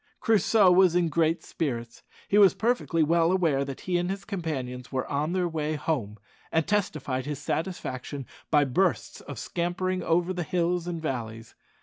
Crusoe was in great spirits. He was perfectly well aware that he and his companions were on their way home, and testified his satisfaction by bursts of scampering over the hills and valleys.